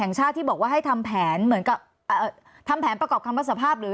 แห่งชาติที่บอกว่าให้ทำแผนเหมือนกับเอ่อทำแผนประกอบคำรับสภาพหรือ